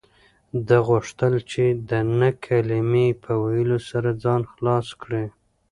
ده غوښتل چې د نه کلمې په ویلو سره ځان خلاص کړي.